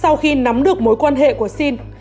sau khi nắm được mối quan hệ của sinh